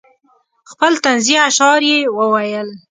خپل طنزیه اشعار یې وویل.